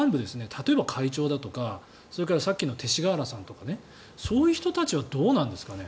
例えば会長とかそれから、さっきの勅使河原さんとかそういう人たちはどうなんですかね。